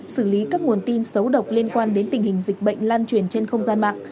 xử lý các nguồn tin xấu độc liên quan đến tình hình dịch bệnh lan truyền trên không gian mạng